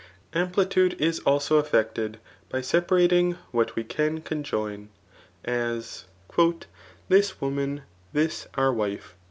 '' Amplitude is also effected, by separating what we csgi conjoin, as, ^* this woman, this our wife.'